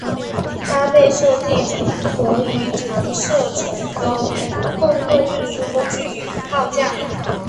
它被设计成可与长射程的共用运输工具与炮架。